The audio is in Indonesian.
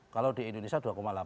kalau di indonesia dua delapan